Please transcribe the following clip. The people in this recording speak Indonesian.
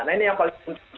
nah ini yang paling penting